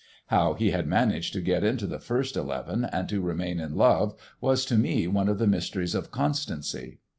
How he had managed to get into the first eleven and to remain in love was to me one of the mysteries of constancy.